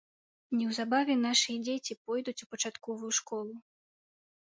Неўзабаве нашы дзеці пойдуць у пачатковую школу.